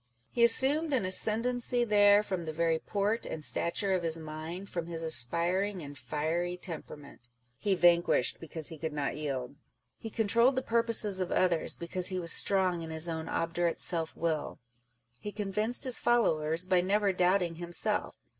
He assumed an ascendancy there from the very port and stature of his mind â€" from his aspiring and fiery tempera 378 On the Difference 'between ment. He vanquished, because lie could not yield. He controlled the purposes of others, because he was strong in his own obdurate self will. He convinced his followers by never doubting himself.